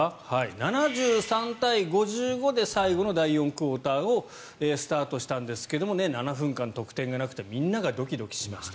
７３対５５で最後の第４クオーターをスタートしたんですが７分間得点がなくてみんながドキドキしました。